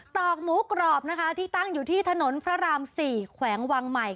ตอกหมูกรอบนะคะที่ตั้งอยู่ที่ถนนพระราม๔แขวงวังใหม่